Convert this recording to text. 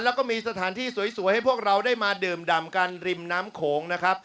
แล้วก็มีสถานที่สวยให้พวกเราได้มาดื่มดำกันริมน้ำโขงนะครับ